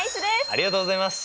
ありがとうございます。